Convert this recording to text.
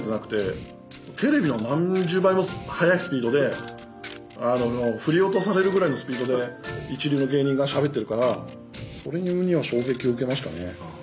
テレビの何十倍も速いスピードで振り落とされるぐらいのスピードで一流の芸人がしゃべってるからそれには衝撃を受けましたね。